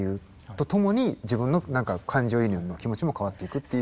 とともに自分の感情移入の気持ちも変わっていくっていう。